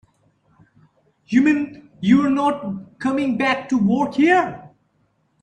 You mean you're not coming back to work here?